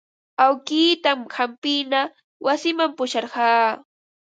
Awkiitan hampina wasiman pusharqaa.